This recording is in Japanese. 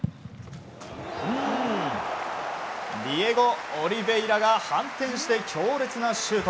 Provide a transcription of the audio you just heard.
ディエゴ・オリヴェイラが反転して強烈なシュート！